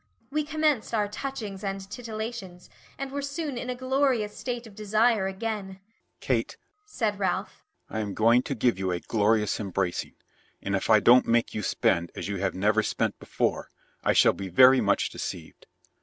We commenced our touchings and titillations and were soon in a glorious state of desire again. "Kate," said Ralph, "I am going to give you a glorious embracing, and if I don't make you spend as you have never spent before, I shall be very much deceived.